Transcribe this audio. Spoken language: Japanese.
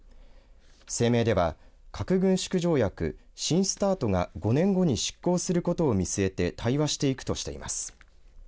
声明では、核軍縮条約新ＳＴＡＲＴが５年後に失効することを見据えて対話していくとしています。